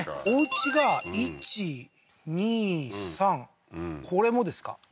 おうちが１２３これもですか？